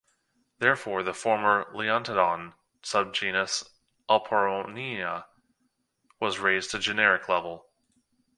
Therefore, the former "Leontodon" subgenus "Oporinia" was raised to generic level.